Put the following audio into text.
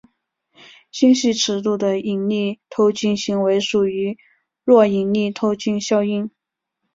星系尺度的引力透镜行为属于弱引力透镜效应。